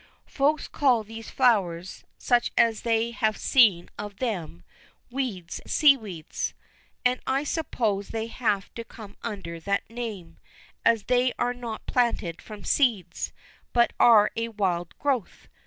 Folks call these flowers, such as they have seen of them, weeds, seaweeds. And I suppose they have to come under that name, as they are not planted from seeds, but are a wild growth.